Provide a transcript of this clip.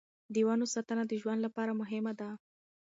د ونو ساتنه د ژوند لپاره مهمه ده.